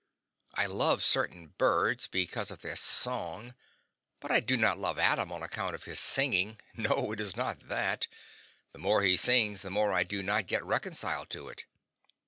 I love certain birds because of their song; but I do not love Adam on account of his singing no, it is not that; the more he sings the more I do not get reconciled to it.